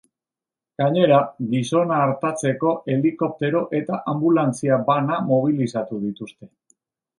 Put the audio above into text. Gainera, gizona artatzeko helikoptero eta anbulantzia bana mobilizatu dituzte.